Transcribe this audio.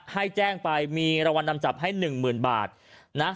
ให้แจ้งไปมีรวรรณนำจับให้หนึ่งหมื่นบาทนะฮะ